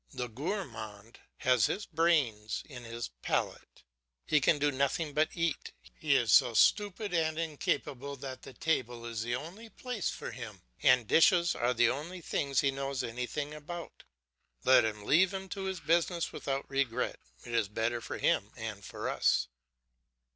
The gourmand has his brains in his palate, he can do nothing but eat; he is so stupid and incapable that the table is the only place for him, and dishes are the only things he knows anything about. Let us leave him to this business without regret; it is better for him and for us.